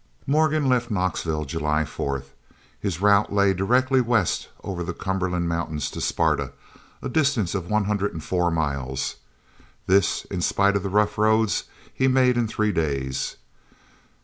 Morgan left Knoxville July 4th. His route lay directly west over the Cumberland Mountains to Sparta, a distance of one hundred and four miles. This, in spite of the rough roads, he made in three days.